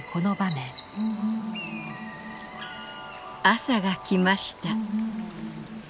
「朝がきました。